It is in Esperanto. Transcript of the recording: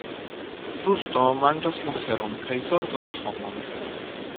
Rusto manĝas la feron, kaj zorgo la homon.